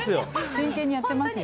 真剣にやってますよ。